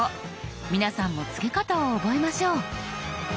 皆さんもつけ方を覚えましょう。